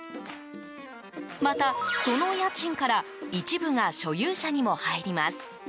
また、その家賃から一部が所有者にも入ります。